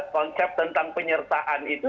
konsep tentang penyertaan itu